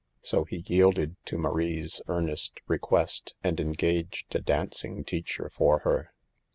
So he yielded to Marie's earnest request and engaged a dancing teacher for her.